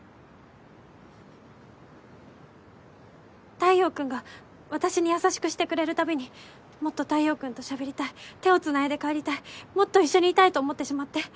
太陽君が私に優しくしてくれるたびにもっと太陽君と喋りたい手をつないで帰りたいもっと一緒にいたいと思ってしまって。